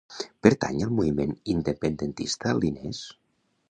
Pertany al moviment independentista l'Ines?